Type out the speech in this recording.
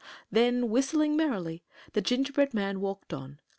Then, whistling merrily, the gingerbread man walked on.